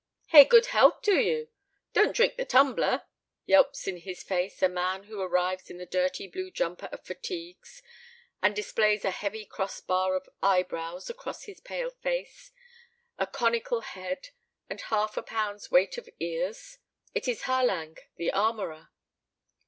"Hey, good health to you! Don't drink the tumbler!" yelps in his face a man who arrives in the dirty blue jumper of fatigues, and displays a heavy cross bar of eyebrows across his pale face, a conical head, and half a pound's weight of ears. It is Harlingue, the armorer.